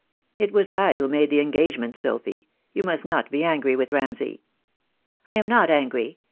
It was I who made the engagements, Sophy. You must not be angry with Ramsay." "I am not angry.